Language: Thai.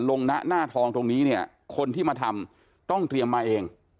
ณหน้าทองตรงนี้เนี่ยคนที่มาทำต้องเตรียมมาเอง